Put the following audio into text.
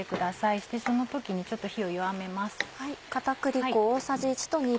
そしてその時にちょっと火を弱めます。